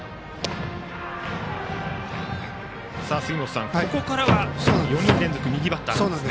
杉本さん、ここからは４人連続右バッターですね。